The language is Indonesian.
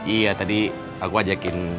iya tadi aku ajakin